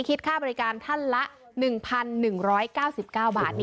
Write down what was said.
คิดค่าบริการท่านละ๑๑๙๙บาท